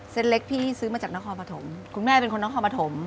เล็กพี่ซื้อมาจากนครปฐมคุณแม่เป็นคนนครปฐม